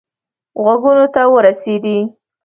غوږونو ته ورسېدی.